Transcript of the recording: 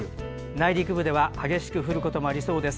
内陸部では激しく降ることもありそうです。